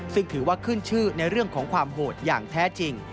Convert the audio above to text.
ซึ่งถือว่าขึ้นชื่อในเรื่องของความโหดอย่างแท้จริง